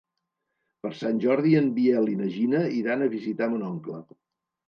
Per Sant Jordi en Biel i na Gina iran a visitar mon oncle.